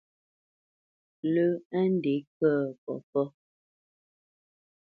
Lə́ á ndě kə̂ papá ?